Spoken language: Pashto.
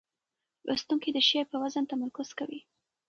لوستونکي د شعر پر وزن تمرکز کوي.